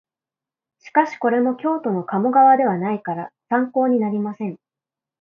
しかしこれも京都の鴨川ではないから参考になりません